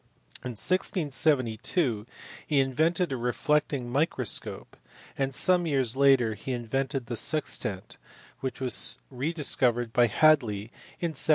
In 1672 he invented a reflecting microscope, and some years later he invented the sextant which was re discovered by Hadley in 1731.